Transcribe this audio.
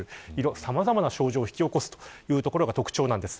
さまざまな症状を引き起こすというところが特徴です。